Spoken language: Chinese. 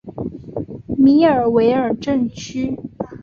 米尔维尔镇区。